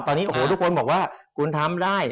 ตอนนี้โอ้โหทุกคนบอกว่าคุณทำได้